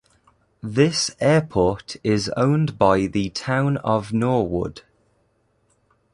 This airport is owned by the Town of Norwood.